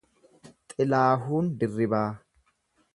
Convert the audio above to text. Xilaahuun Dirribaa